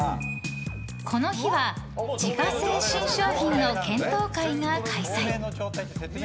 この日は自家製新商品の検討会が開催。